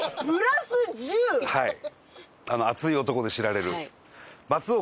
はい。